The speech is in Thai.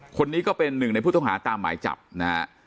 คนนี้ก็เป็นหนึ่งในผู้ต้องหาตามหมายจับนะฮะ